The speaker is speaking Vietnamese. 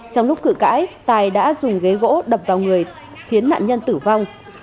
trong lúc cự cãi tài đã dùng ghế gỗ đập vào người khiến nạn nhân tử vong